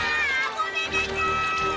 ごめんなさい！